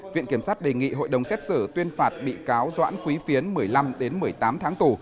viện kiểm sát đề nghị hội đồng xét xử tuyên phạt bị cáo doãn quý phiến một mươi năm một mươi tám tháng tù